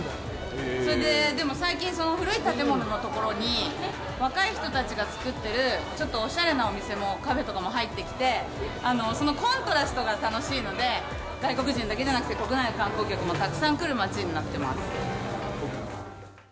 それで、でも、最近、その古い建物のところに若い人たちが作ってるちょっとオシャレなお店も、カフェとかも入ってきて、そのコントラストが楽しいので、外国人だけじゃなくて国内の観光客もたくさん来る街になってます。